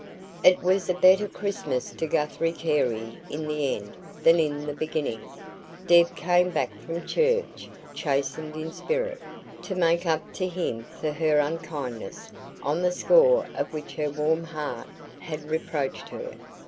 It was a better Christmas to Guthrie Carey in the end than in the beginning. Deb came back from church chastened in spirit, to make up to him for her unkindness, on the score of which her warm heart had reproached her.